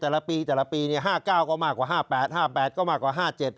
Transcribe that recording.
แต่ละปีแต่ละปีเนี่ย๕๙ก็มากกว่า๕๘๕๘ก็มากกว่า๕๗